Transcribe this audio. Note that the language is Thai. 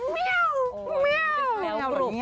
เมี๊ยว